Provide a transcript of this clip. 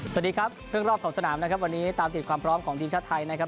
สวัสดีครับเรื่องรอบของสนามนะครับวันนี้ตามติดความพร้อมของทีมชาติไทยนะครับ